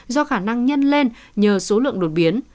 do khả năng nhân lên nhờ số lượng đột biến